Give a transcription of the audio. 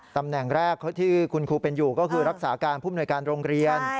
ตำแหน่งแรกที่คุณครูเป็นอยู่ก็คือรักษาการผู้มนวยการโรงเรียน